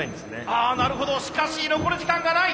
あなるほどしかし残る時間がない！